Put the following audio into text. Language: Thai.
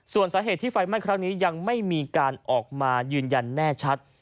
ส่วนสาเหตุที่ไฟไหม้ครั้งนี้ยังไม่มีการออกมายืนยันแน่ชัด